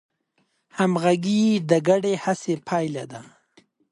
همغږي د ګډې هڅې پایله ده.